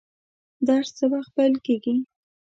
درس څه وخت پیل کیږي؟